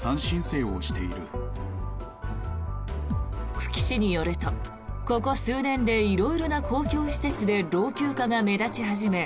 久喜市によるとここ数年で色々な公共施設で老朽化が目立ち始め